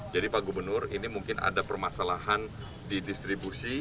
jadi pak gubernur ini mungkin ada permasalahan di distribusi